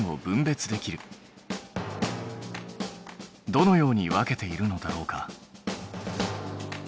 どのように分けているのだろうか？